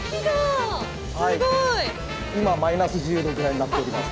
今−１０度ぐらいになっております。